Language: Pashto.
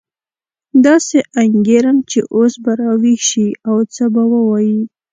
داسې انګېرم چې اوس به راویښ شي او څه به ووایي.